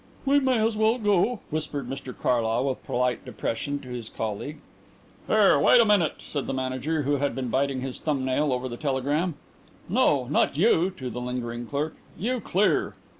"We may as well go," whispered Mr Carlyle with polite depression to his colleague. "Here, wait a minute," said the Manager, who had been biting his thumb nail over the telegram. "No, not you" to the lingering clerk "you clear."